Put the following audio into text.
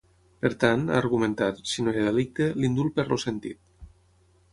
Per tant, ha argumentat, si no hi ha delicte, l’indult perd el sentit.